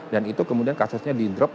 dan itu kemudian kasusnya di drop